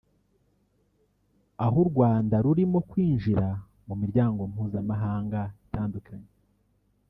aho u Rwanda rurimo kwinjira mu miryango mpuzamahanga itandukanye